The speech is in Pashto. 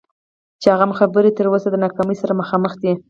چې هغه خبرې هم تر اوسه د ناکامۍ سره مخامخ دي.